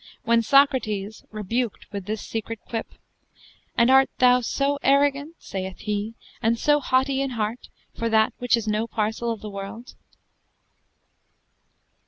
When Socrates, rebuked with this secret quip: "And art thou so arrogant (sayeth he) and so hautie in heart for that which is no parcell of the world?"